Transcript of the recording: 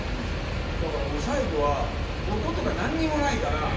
だからもう最後は音とかなんにもないから。